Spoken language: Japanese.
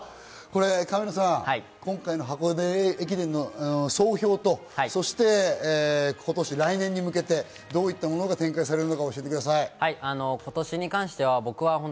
神野さん、今回の箱根駅伝の総評とそして来年に向けて、どういったものが展開されるのか教えてください。